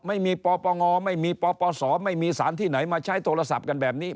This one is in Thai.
ไม่มีปปงไม่มีปปศไม่มีสารที่ไหนมาใช้โทรศัพท์กันแบบนี้